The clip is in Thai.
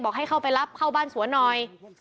ให้เข้าไปรับเข้าบ้านสวนหน่อย